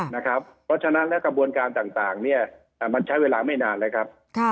เพราะฉะนั้นแล้วกระบวนการต่างมันใช้เวลาไม่นานเลยครับ